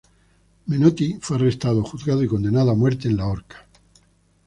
Menotti fue arrestado juzgado y condenado a muerte en la horca.